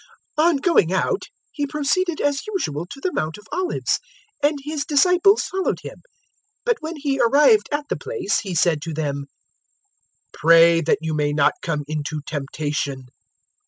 022:039 On going out, He proceeded as usual to the Mount of Olives, and His disciples followed Him. 022:040 But when He arrived at the place, He said to them, "Pray that you may not come into temptation."